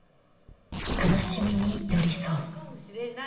悲しみに寄り添う。